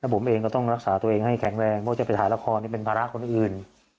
ผมเองก็ต้องรักษาตัวเองให้แข็งแรงเพราะจะไปถ่ายละครนี่เป็นภาระคนอื่น